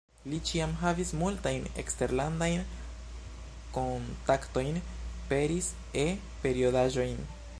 Li ĉiam havis multajn eksterlandajn kontaktojn, peris E-periodaĝojn.